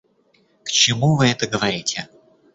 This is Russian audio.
К чему вы это говорите?